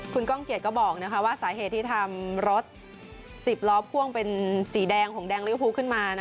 คุณก้องเกียจก็บอกว่าสาเหตุที่ทำรถ๑๐ล้อพ่วงเป็นสีแดงของแดงริวภูขึ้นมา